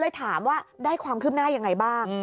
เลยถามว่าได้ความคืบหน้าอย่างไรบ้าง